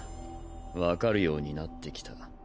わかるようになってきた。